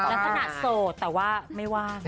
ลักษณะโสดแต่ว่าไม่ว่าง